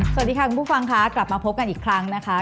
สวัสดีค่ะคุณผู้ฟังค่ะกลับมาพบกันอีกครั้งนะคะ